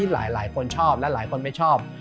และหลายคนไม่ชอบ